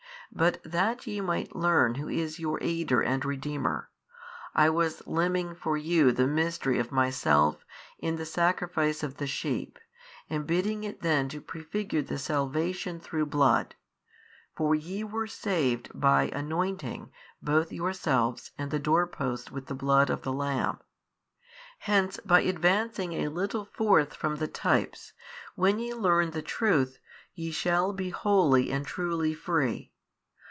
But that ye might learn who is your aider and Redeemer, I was limning for you the mystery of Myself in the sacrifice of the sheep, and bidding it then to pre figure the salvation through blood: for ye were saved by anointing both yourselves and the doorposts with the blood of the lamb. Hence by advancing a little forth from the types, when ye learn the Truth, ye shall be wholly and truly free.